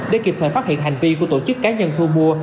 để kịp thời phát hiện hành vi của tổ chức cá nhân thu mua